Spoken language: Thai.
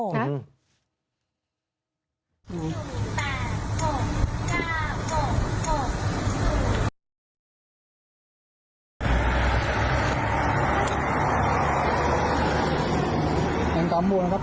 แบงค์กาโม